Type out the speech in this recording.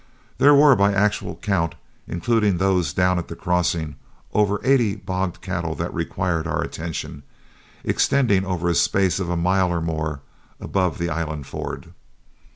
There were by actual count, including those down at the crossing, over eighty bogged cattle that required our attention, extending over a space of a mile or more above the island ford.